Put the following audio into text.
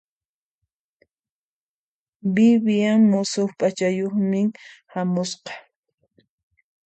Vivian musuq p'achayuqmi hamusqa.